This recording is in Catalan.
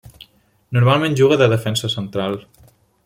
Normalment juga de defensa central.